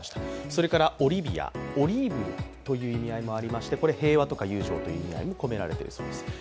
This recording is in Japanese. それからオリビアオリーブという意味合いもありまして平和とか友情という意味合いも込められているということです。